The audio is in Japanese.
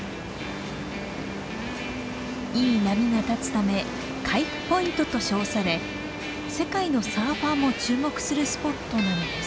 いい波が立つため「カイフポイント」と称され世界のサーファーも注目するスポットなのです。